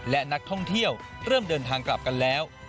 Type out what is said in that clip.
และนักท่องเที่ยวเริ่มเดินทางกลับกันแล้ว